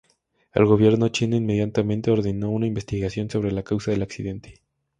El gobierno chino inmediatamente ordenó una investigación sobre la causa del accidente.